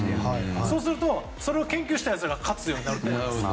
そうするとそれを研究したやつが勝つようになると思います。